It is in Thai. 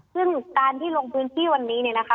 ซึ่งการที่ลงพื้นที่วันนี้เนี่ยนะคะ